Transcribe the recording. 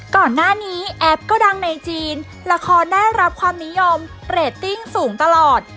ก่อนหน้านี้แอปก็ดังในจีนละครได้รับความนิยมเรตติ้งสูงตลอด